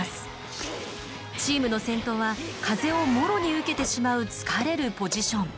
チームの先頭は風をもろに受けてしまう疲れるポジション。